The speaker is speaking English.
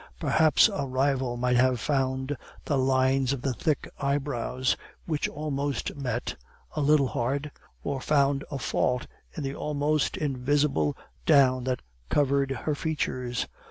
Perhaps a rival might have found the lines of the thick eyebrows, which almost met, a little hard; or found a fault in the almost invisible down that covered her features.